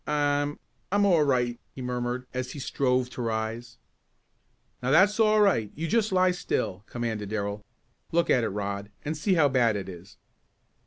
"I I'm all right," he murmured, as he strove to rise. "Now that's all right you just lie still," commanded Darrell. "Look at it Rod, and see how bad it is."